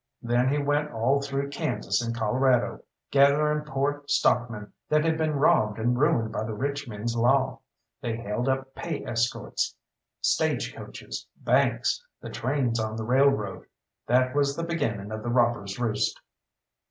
Then he went all through Kansas and Colorado, gathering pore stockmen what had been robbed and ruined by the rich men's law. They held up pay escorts, stage coaches, banks, the trains on the railroad. That was the beginning of the Robbers' Roost."